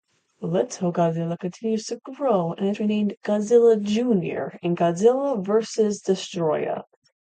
Little Godzilla continues to grow and is renamed Godzilla Junior in "Godzilla versus Destoroyah".